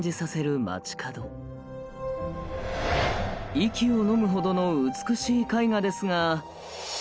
息をのむほどの美しい絵画ですが。